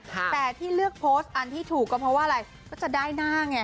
แต่ที่เลือกโพสต์อันที่ถูกก็เพราะว่าอะไรก็จะได้หน้าไง